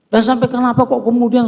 dan sampai kenapa kok kemudian